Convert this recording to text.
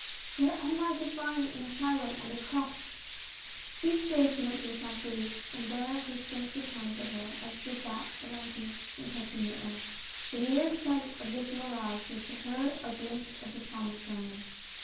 " Where am I to find an asylum and a crust !" Each day she went to Champs Elys^es, and there her strength returned to her as did that of Anteus in touch ing the earth; the mere sight of this mirage was to her a glimpse of the promised land.